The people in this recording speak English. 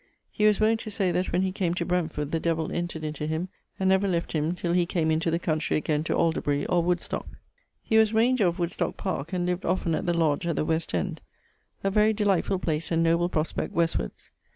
He was wont to say that when he came to Brentford the devill entred into him and never left him till he came into the country again to Alderbury or Woodstock. He was raunger of Woodstock parke and lived often at the lodge at the west end, a very delightfull place and noble prospect westwards.